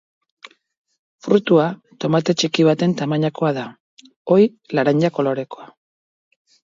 Fruitua tomate txiki baten tamainakoa da, ohi, laranja kolorekoa.